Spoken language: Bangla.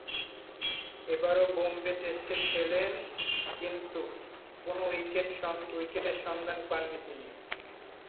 এবারও বোম্বে টেস্টে খেলেন; কিন্তু, কোন উইকেটের সন্ধান পাননি তিনি।